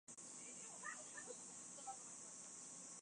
亚历山大一世是第一位参加奥运会的马其顿王室成员。